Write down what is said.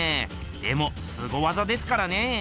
でもすご技ですからね。